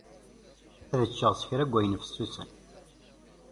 Ad ččeɣ kra seg ayen fessusen.